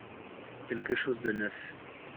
Quelque chose de neuf.